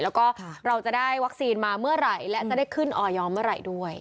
แล้วก็เราจะได้วัคซีนมาเมื่อไหร่และจะได้ขึ้นออยอร์เมื่อไหร่ด้วย